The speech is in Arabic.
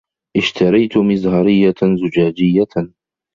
إشتريتُ مزهريةً زجاجيةً.